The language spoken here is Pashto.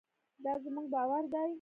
دا زموږ باور دی.